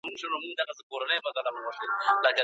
تودې شيدې خوب ښه کوي